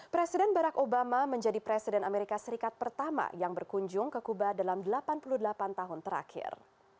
presiden barack obama menjadi presiden amerika serikat pertama yang berkunjung ke kuba dalam delapan puluh delapan tahun terakhir